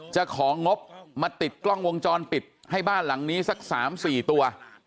จะของงบมาติดกล้องวงจรปิดให้บ้านหลังนี้สัก๓๔ตัว